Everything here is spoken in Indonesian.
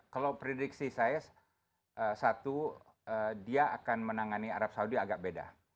kalau prediksi saya satu dia akan menangani arab saudi agak beda